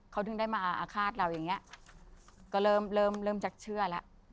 เขาถึงได้มาอาฆาตเราอย่างเงี้ยก็เริ่มเริ่มจากเชื่อแล้ว